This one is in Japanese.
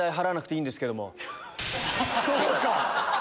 そうか！